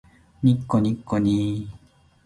にっこにっこにー